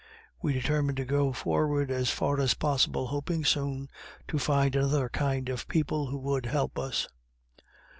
We determined to go forward as far as possible, hoping soon to find another kind of people, who would help us.